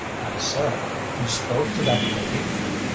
I said: "You spoke to that lady!"